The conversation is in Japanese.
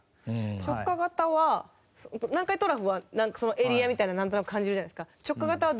直下型は南海トラフはエリアみたいなのなんとなく感じるじゃないですか。